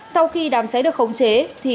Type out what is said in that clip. sau khi đám cháy được khống chế